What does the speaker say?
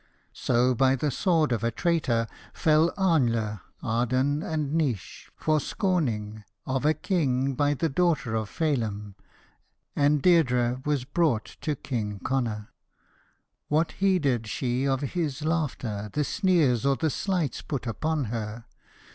So by the sword of a traitor fell Ainle, Ardan, and Naois, for scorning Of a king by the daughter of Feilim ; and Deirdr(< was brought to King Connor. What heeded she of his laughter, the sneers or the slights put upon her?